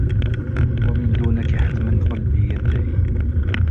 ومن دونكِ حتماً قلبي ينتهي.